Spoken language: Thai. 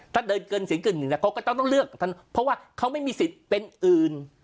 ถ้าเดินเกินเสียงเกินหนึ่งเขาก็ต้องเลือกท่านเพราะว่าเขาไม่มีสิทธิ์เป็นอื่น